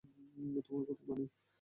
তোমার কথা মানি।